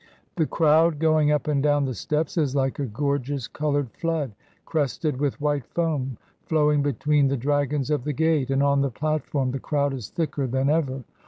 The crowd going up and down the steps is like a gorgeous coloured flood, crested with white foam, flowing between the dragons of the gate; and on the platform the crowd is thicker than ever.